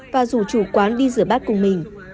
và rủ chủ quán đi rửa bát cùng mình